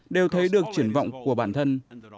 đều thấy được triển vọng của bản thân